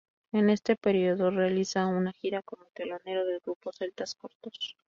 En este periodo realiza una gira como telonero del grupo Celtas Cortos.